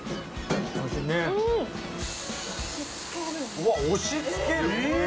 うわっ押し付けるえぇ！？